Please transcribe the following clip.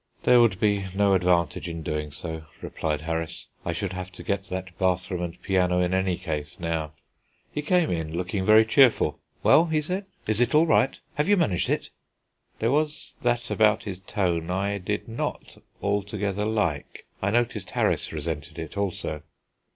"There would be no advantage in doing so," replied Harris. "I should have to get that bathroom and piano in any case now." He came in looking very cheerful. "Well," he said, "is it all right? Have you managed it?" There was that about his tone I did not altogether like; I noticed Harris resented it also.